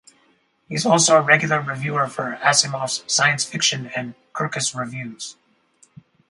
He is also a regular reviewer for Asimov's Science Fiction and Kirkus Reviews.